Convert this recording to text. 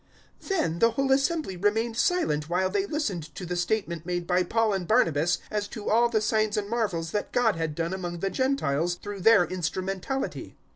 015:012 Then the whole assembly remained silent while they listened to the statement made by Paul and Barnabas as to all the signs and marvels that God had done among the Gentiles through their instrumentality.